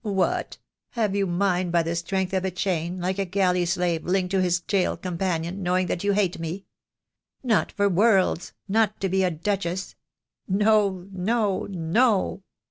What, have you mine by the strength of a chain, like a galley slave linked to his gaol companion, knowing that you hate me? Not for worlds — not to be a duchess. No, no, no!